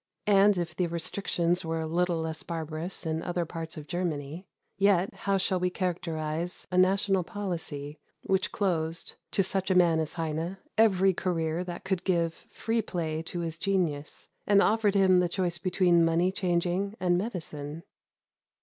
And if the restrictions were a little less barbarous in other parts of Germany, yet how shall we characterize a national policy which closed to such a man as Heine every career that could give free play to his genius, and offered him the choice between money changing and medicine?